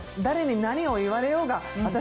誰に何を言われようが。